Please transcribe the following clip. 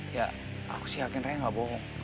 ya aku sih yakin raya gak bohong